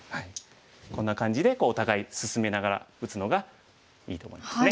こんな感じでお互い進めながら打つのがいいと思いますね。